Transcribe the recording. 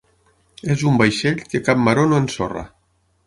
És un vaixell que cap maror no ensorra.